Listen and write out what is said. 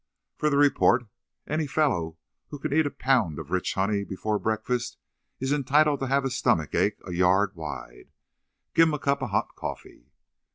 "For the report. Any fellow who can eat a pound of rich honey before breakfast is entitled to have a stomach ache a yard wide. Give him a cup of hot coffee."